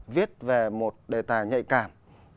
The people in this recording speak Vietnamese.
viết về một đề tài nhạy cảm